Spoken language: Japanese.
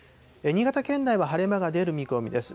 新潟県内は晴れ間が出る見込みです。